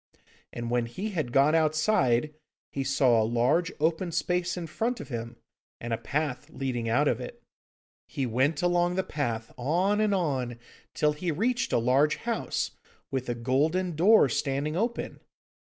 And when he had got outside, he saw a large open space in front of him, and a path leading out of it. He went along the path, on and on, till he reached a large house, with a golden door standing open.